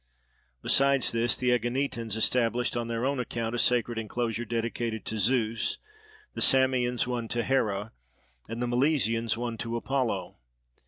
Besides this the Eginetans established on their own account a sacred enclosure dedicated to Zeus, the Samians one to Hera, and the Milesians one to Apollo.